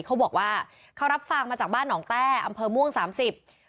เขาบอกว่าเขารับฟังมาจากบ้านหนองแต้อำเภอม่วงสามสิบ